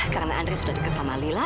karena andri sudah deket sama lila